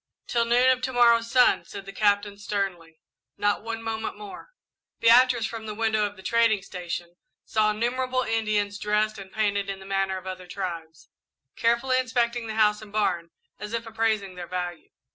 "Till noon of to morrow's sun," said the Captain, sternly; "not one moment more." Beatrice, from the window of the trading station, saw innumerable Indians, dressed and painted in the manner of other tribes, carefully inspecting the house and barn as if appraising their value.